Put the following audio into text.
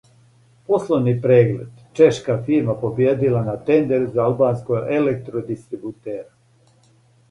Пословни преглед: чешка фирма побиједила на тендеру за албанског електродистрибутера